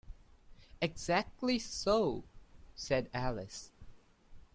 ‘Exactly so,’ said Alice.